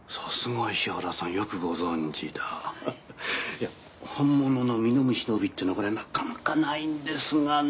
いや本物のミノムシの帯っていうのはこれなかなかないんですがね